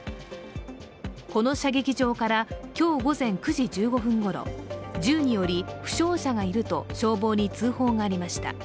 この射撃場から今日午前９時１５分ごろ銃により負傷者がいると消防に通報がありました。